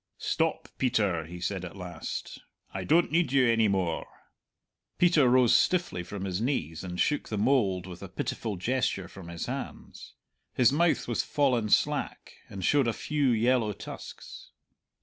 "Stop, Peter," he said at last; "I don't need you ainy more." Peter rose stiffly from his knees and shook the mould with a pitiful gesture from his hands. His mouth was fallen slack, and showed a few yellow tusks.